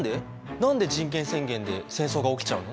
何で人権宣言で戦争が起きちゃうの？